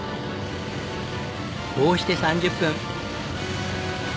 こうして３０分。